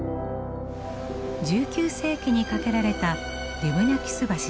１９世紀に架けられたデュムナキュス橋です。